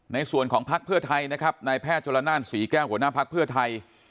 ในส่วนของพักเพื่อไทยนะครับนายแพทย์โชลนานศรีแก้วหัวหน้าภักดิ์เพื่อไทย